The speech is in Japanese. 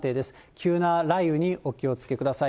急な雷雨にお気をつけください。